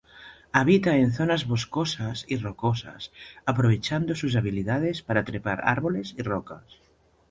Habita en zonas boscosas y rocosas, aprovechando sus habilidades para trepar árboles y rocas.